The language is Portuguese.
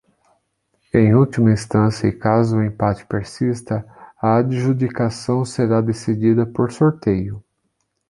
Em última instância e caso o empate persista, a adjudicação será decidida por sorteio.